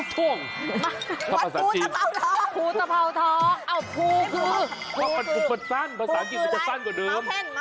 ตะเผ้ากูเด้น